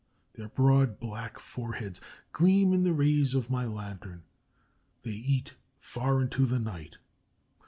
Their broad black foreheads gleam in the rays of my lantern. They eat far into the night.